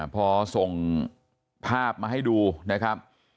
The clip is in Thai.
พอส่งภาพมาให้ดูนะครับ